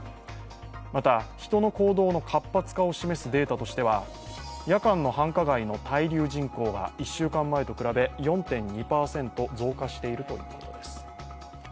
また、人の行動の活発化を示すデータとしては夜間の繁華街の滞留人口が１週間前と比べ４．２％増加しているということです。